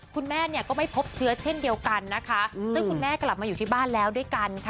คุณแม่เนี่ยก็ไม่พบเชื้อเช่นเดียวกันนะคะซึ่งคุณแม่กลับมาอยู่ที่บ้านแล้วด้วยกันค่ะ